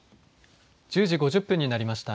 １０時５０分になりました。